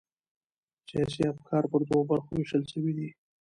سیاسي افکار پر دوو برخو وېشل سوي دي.